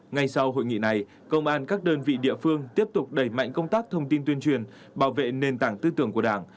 ngay sau hội nghị này công an các đơn vị địa phương tiếp tục đẩy mạnh công tác thông tin tuyên truyền bảo vệ nền tảng tư tưởng của đảng